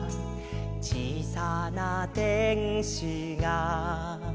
「小さなてんしが」